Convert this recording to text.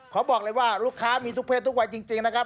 ขอบอกเลยว่าลูกค้ามีทุกเพศทุกวัยจริงนะครับ